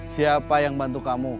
siapa yang bantu kamu